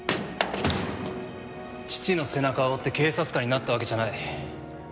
父の背中を追って警察官になったわけじゃない。